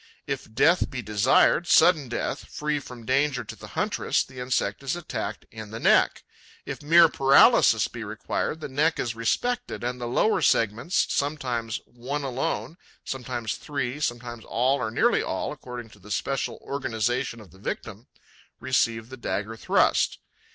If death be desired, sudden death, free from danger to the huntress, the insect is attacked in the neck; if mere paralysis be required, the neck is respected and the lower segments sometimes one alone, sometimes three, sometimes all or nearly all, according to the special organization of the victim receive the dagger thrust.